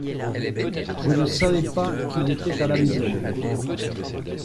Je ne savais pas qu’il était à la maison.